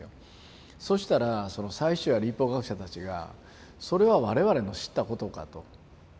そしたらその祭司長や律法学者たちがそれは我々の知ったことかと。